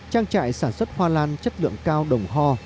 trang trại sản xuất hoa lan chất lượng cao đồng ho